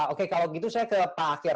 oke kalau gitu saya ke pak akhyar